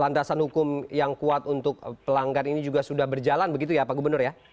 lantasan hukum yang kuat untuk pelanggar ini juga sudah berjalan begitu ya pak gubernur ya